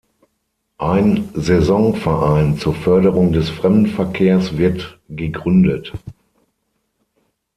Ein „Saison-Verein“ zur Förderung des Fremdenverkehrs wird gegründet.